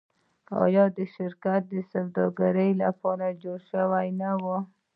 آیا دا شرکت د سوداګرۍ لپاره جوړ شوی نه و؟